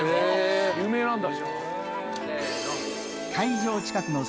有名なんだ。